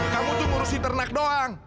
kamu itu ngurusin ternak doang